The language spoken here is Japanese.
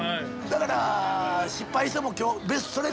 だから失敗しても今日それが。